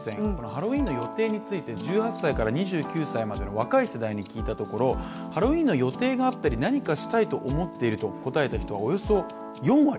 ハロウィーンの予定について１８歳から２９歳までの若い世代に聞いたところハロウィーンの予定があったり、何かしたいと思っている人はおよそ４割。